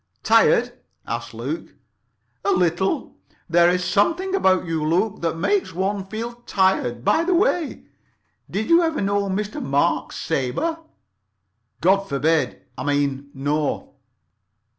"Tired?" asked Luke. "A little. There's something about you, Luke, that makes one feel tired. By the way, did you ever know Mr. Mark Sabre?" "God forbid—I mean, no."